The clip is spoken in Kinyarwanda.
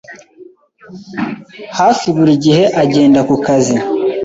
hafi buri gihe agenda ku kazi.